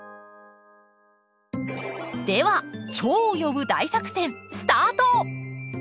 ではチョウを呼ぶ大作戦スタート！